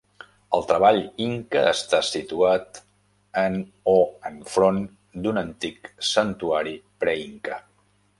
El treball Inca està situat en o en front d'un antic santuari preinca.